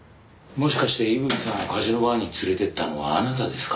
「もしかして伊吹さんをカジノバーに連れていったのはあなたですか？」